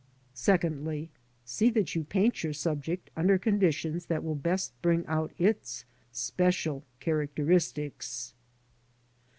Secondly, see that you paint your subject under conditions that will best bring out its special characteristics.